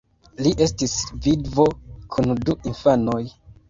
Li estis vidvo kun du infanoj.